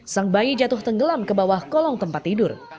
sang bayi jatuh tenggelam ke bawah kolong tempat tidur